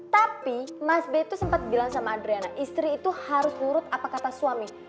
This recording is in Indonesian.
tapi mas by itu sempat bilang sama adriana istri itu harus urut apa kata suami